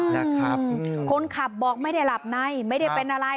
นะครับคนขับบอกไม่ได้หลับในไม่ได้เป็นอะไร